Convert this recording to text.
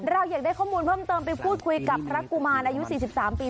อยากได้ข้อมูลเพิ่มเติมไปพูดคุยกับพระกุมารอายุ๔๓ปี